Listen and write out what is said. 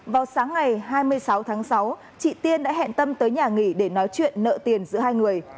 vào sáng ngày hai mươi sáu tháng sáu chị tiên đã hẹn tâm tới nhà nghỉ để nói chuyện nợ tiền giữa hai người